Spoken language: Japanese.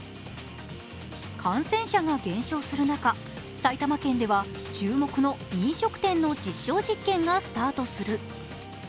感染者が減少する中、埼玉県では注目の飲食店の実証実験がスタートする。